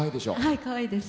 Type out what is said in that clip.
はいかわいいです。